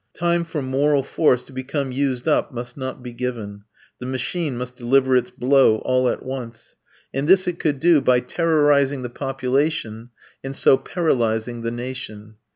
Time for moral force to become used up must not be given. The machine must deliver its blow all at once. And this it could do by terrorizing the population, and so paralysing the nation.